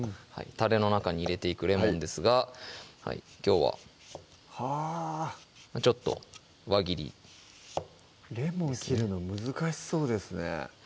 たれの中に入れていくレモンですがきょうははぁちょっと輪切りレモン切るの難しそうですね